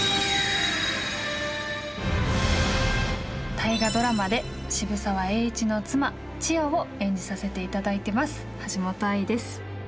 大河ドラマで渋沢栄一の妻千代を演じさせて頂いてます橋本愛です。